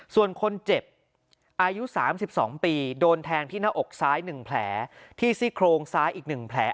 ส่วนคนเจ็บอายุ๓๒ปีโดนแทงที่หน้าอกซ้าย๑แผลที่ซี่โครงซ้ายอีก๑แผล